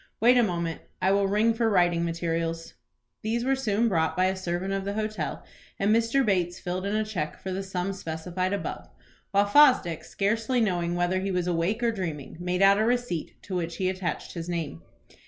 Wait a moment. I will ring for writing materials." These were soon brought by a servant of the hotel and Mr. Bates filled in a cheque for the sum specified above, while Fosdick, scarcely knowing whether he was awake or dreaming, made out a receipt to which he attached his name.